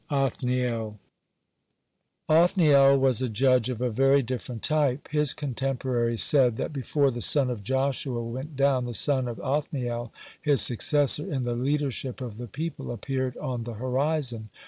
(21) OTHNIEL Othniel was a judge of a very different type. His contemporaries said, that before the sun of Joshua went down, the sun of Othniel, his successor in the leadership of the people , appeared on the horizon.